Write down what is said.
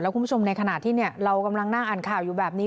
คุณผู้ชมในขณะที่เรากำลังนั่งอ่านข่าวอยู่แบบนี้